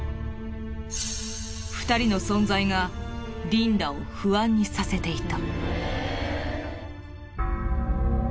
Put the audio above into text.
２人の存在がリンダを不安にさせていた。